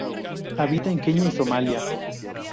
Habita en Kenia y Somalia.